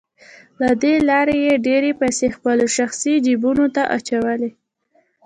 له دې لارې یې ډېرې پیسې خپلو شخصي جیبونو ته اچولې